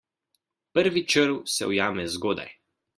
Prvi črv se ujame zgodaj.